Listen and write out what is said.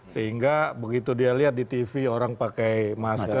sehingga begitu dia lihat di tv orang pakai masker